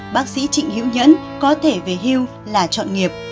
bác sĩ trịnh hiễu nhẫn có thể về hưu là trọn nghiệp